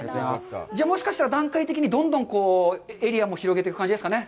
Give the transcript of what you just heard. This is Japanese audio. じゃあもしかしたら、段階的にどんどんエリアも広げていく感じですかね。